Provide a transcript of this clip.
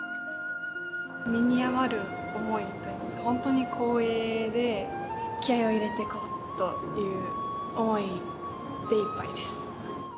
身に余る思いといいますか、本当に光栄で、気合いを入れていこうという思いでいっぱいです。